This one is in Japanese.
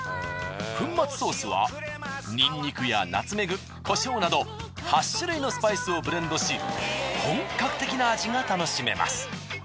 粉末ソースはニンニクやナツメグコショウなど８種類のスパイスをブレンドし本格的な味が楽しめます。